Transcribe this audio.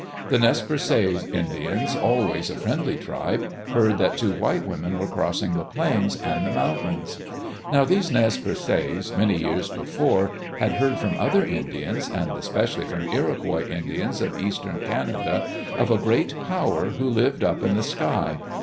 The Nez Perces Indians, always a friendly tribe, heard that two white women were crossing the plains and the mountains. Now these Nez Perces, many years before, ["8] Digitized by CjOOQ IC THE ADVENTURES OF THE WHITMANS had heard from other Indians, and especially from Iro quois Indians of eastern Canada, of a Great Power who lived up in the sky.